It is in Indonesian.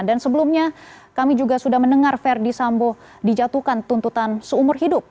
dan sebelumnya kami juga sudah mendengar verdi sambo dijatuhkan tuntutan seumur hidup